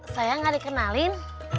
saya gak dikenalin